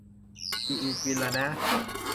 อิอิ กินละน้า